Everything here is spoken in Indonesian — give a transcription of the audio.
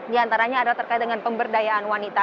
diantaranya adalah terkait dengan pemberdayaan wanita